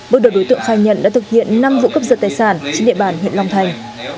bước đầu đối tượng khai nhận đã thực hiện năm vụ cướp giật tài sản trên địa bàn huyện long thành